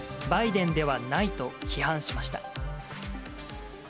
バイデンではないと批判しました。